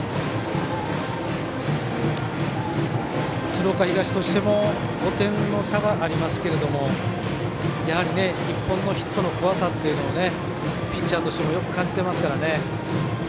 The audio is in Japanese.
鶴岡東としても５点差がありますがやはり１本のヒットの怖さをピッチャーとしてもよく感じていますからね。